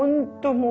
もう